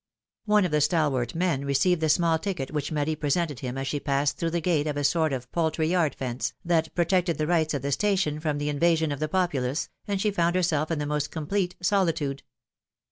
One of these stalwart men received the small ticket which Marie presented him as she passed through the gate of a sort of poultry yard fence, that protected the rights of the station from the invasion of the populace, and she found herself in the most complete solitude.